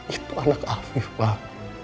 itu anak hafif pak